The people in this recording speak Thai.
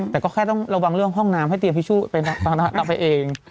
แต่ก็แค่ต้องระวังเรื่องห้องน้ำให้เตรียมทิชชู่ไปเอง